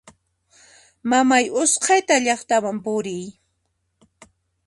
Mamay usqhayta llaqtaman puriy!